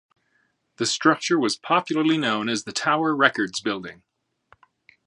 The structure was popularly known as the "Tower Records building".